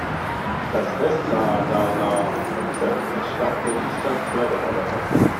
Das Hestadagar-Konzept entstammt der Islandpferde-Reiterei.